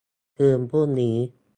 คืนพรุ่งนี้